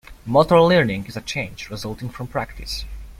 Motor learning is a change, resulting from practice.